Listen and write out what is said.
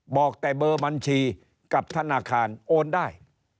บอกแต่เบอร์บัญชีกับธนาคารโอนได้